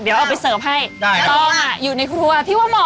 เดี๋ยวเอาไปเสิร์ฟให้ได้ต้องอยู่ในครัวพี่ว่าเหมาะ